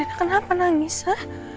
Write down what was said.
dianra kenapa nangis ya